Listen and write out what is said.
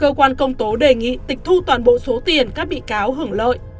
cơ quan công tố đề nghị tịch thu toàn bộ số tiền các bị cáo hưởng lợi